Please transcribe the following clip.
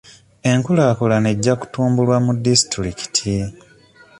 Enkulaakulana ejja kutumbulwa mu disitulikiti.